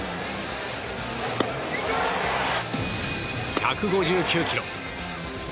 １５９キロ。